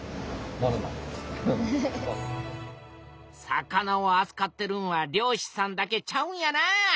魚をあつかってるんは漁師さんだけちゃうんやな。